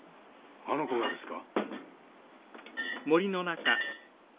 あの子がですか？